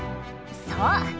そう。